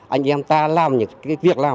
anh em ta làm những cái việc là